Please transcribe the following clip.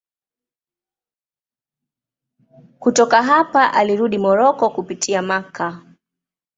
Kutoka hapa alirudi Moroko kupitia Makka.